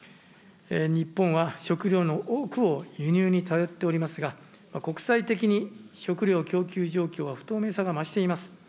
日本は食料の多くを輸入に頼っておりますが、国際的に食料供給状況は不透明さが増しています。